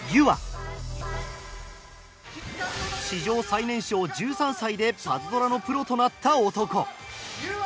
史上最年少１３歳で『パズドラ』のプロとなった男。